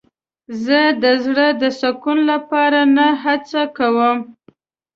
زه د زړه د سکون لپاره نه هڅه کوم.